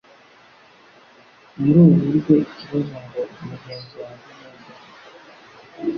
Muri ubu buryo ikibazo ngo:"Mugenzi wanjye ni nde?"